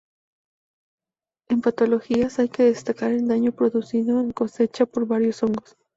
En patologías, hay que destacar el daño producido en cosecha por varios hongos.